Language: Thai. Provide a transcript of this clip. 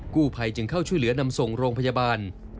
กู้ภัยจึงเข้าช่วยเหลือนำส่งโรงพยาบาล